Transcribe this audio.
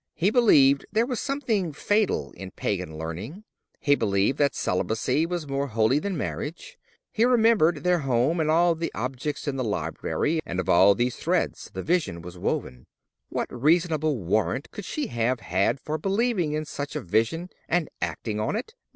He believed there was something fatal in pagan learning; he believed that celibacy was more holy than marriage; he remembered their home, and all the objects in the library; and of these threads the vision was woven. What reasonable warrant could she have had for believing in such a vision and acting on it?